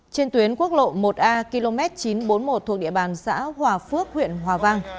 trên tuyến quốc lộ một a km chín trăm bốn mươi một thuộc địa bàn xã hòa phước huyện hòa vang